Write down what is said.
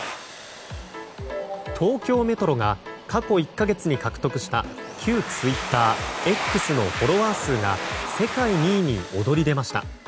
東京メトロが過去１か月に獲得した旧ツイッター、Ｘのフォロワー数が世界２位に躍り出ました。